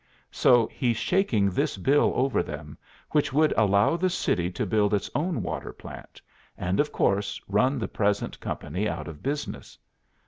So he's shaking this bill over them, which would allow the city to build its own water plant, and of course run the present company out of business.